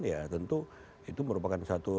ya tentu itu merupakan satu